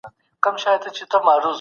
هغه کارغه له ولي څخه البوتی.